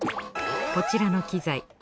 こちらの機材